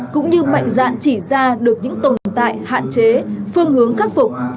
cũng như mạnh dạn chỉ ra được những tồn tại hạn chế phương hướng khắc phục